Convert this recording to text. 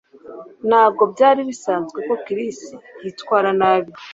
ntabwo byari bisanzwe ko chris yitwara nabi